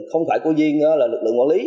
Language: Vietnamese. không phải của riêng lực lượng quản lý